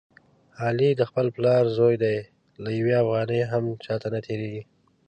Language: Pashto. علي د خپل پلار زوی دی، له یوې افغانۍ نه هم چاته نه تېرېږي.